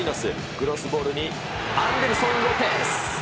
クロスボールにアンデルソン・ロペス。